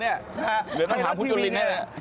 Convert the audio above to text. เหลือต้องหาผู้จุดลินให้เลย